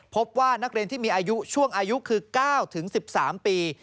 พบว่านักเรียนที่มีอายุช่วงอายุคือ๙๑๓ปี